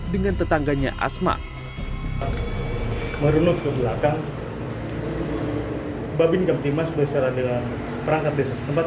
dengan tetangganya asma merunut ke belakang babi nekam timas beserta dengan perangkat desa setempat